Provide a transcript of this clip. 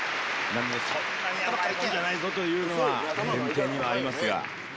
そんなに甘いもんじゃないぞというのは前提にはありますが。